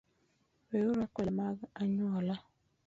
Weuru akwede mag anyuola